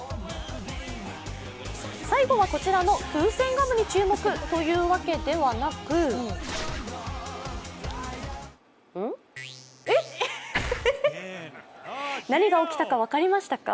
最後はこちらの風船ガムに注目というわけではなく何が起きたか分かりましたか？